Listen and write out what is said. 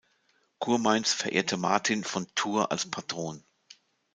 Kurmainz verehrte Martin von Tours als Patron.